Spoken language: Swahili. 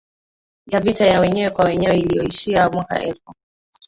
ya vita ya wenyewe kwa wenyewe iliyoishia mwaka elfu